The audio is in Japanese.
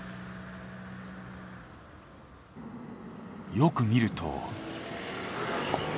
よく見ると。